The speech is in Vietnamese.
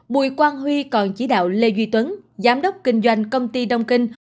bùi quang huy còn chỉ đạo lê duy tuấn giám đốc kinh doanh công ty đông kinh